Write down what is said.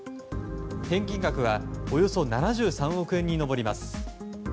返金額はおよそ７３億円に上ります。